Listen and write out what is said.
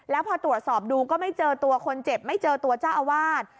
แล้วพอตรวจสอบดูก็ไม่เจอตัวคนเจ็บไม่เจอตัวเจ้าอาวาส